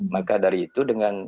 maka dari itu dengan